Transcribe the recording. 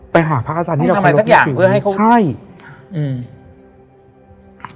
ไปหาพระอาจารย์ต้องทำอะไรสักอย่างเพื่อให้เขาใช่อืม